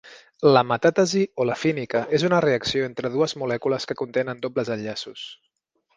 La metàtesi olefínica és una reacció entre dues molècules que contenen dobles enllaços.